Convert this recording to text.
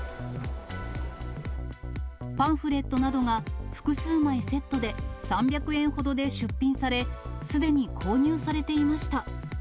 パンフレットなどが複数枚セットで３００円ほどで出品され、すでに購入されていました。